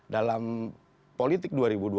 dalam politik dua ribu dua puluh